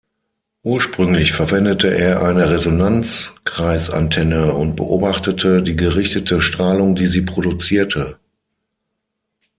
Ursprünglich verwendete er eine Resonanzkreis-Antenne und beobachtete die gerichtete Strahlung, die sie produzierte.